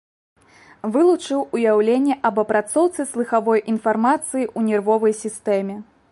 Вылучыў уяўленне аб апрацоўцы слыхавой інфармацыі ў нервовай сістэме.